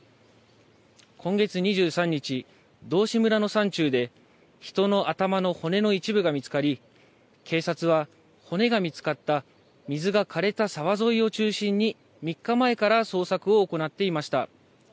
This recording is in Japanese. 今月２３日、道志村の山中で人の頭の骨の一部が見つかり、警察は、骨が見つかった水がかれた沢沿いを中心に３日前から捜索を行っていました。